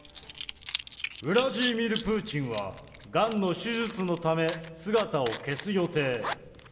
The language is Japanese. ウラジーミル・プーチンは、がんの手術のため、姿を消す予定。